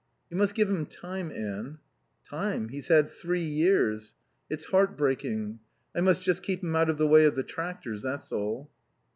"You must give him time, Anne." "Time? He's had three years. It's heart breaking. I must just keep him out of the way of the tractors, that's all."